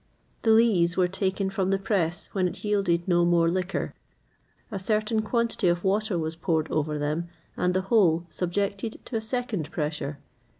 [XXVIII 55] The lees were taken from the press when it yielded no more liquor; a certain quantity of water was poured over them, and the whole subjected to a second pressure.